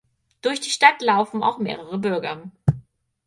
Durch die Stadt laufen auch mehrere Bürger.